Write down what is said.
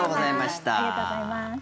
ありがとうございます。